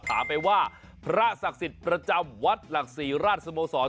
ถามไปว่าพระศักดิ์สิทธิ์ประจำวัดหลักศรีราชสโมสร